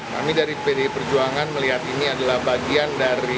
kami dari pdi perjuangan melihat ini adalah bagian dari